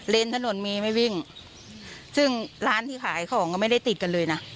ถนนมีไม่วิ่งซึ่งร้านที่ขายของก็ไม่ได้ติดกันเลยนะ